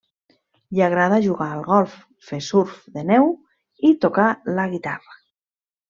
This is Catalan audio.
Li agrada jugar al golf, fer surf de neu i tocar la guitarra.